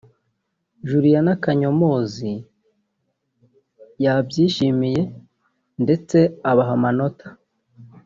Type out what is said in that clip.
Juliana Kanyomozi yabyishimiye ndetse abaha amanota